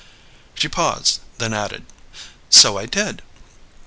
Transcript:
She paused, then added, "So I did!